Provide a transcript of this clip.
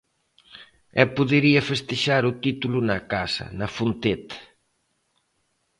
E podería festexar o título na casa, na Fonteta.